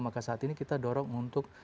maka saat ini kita dorong untuk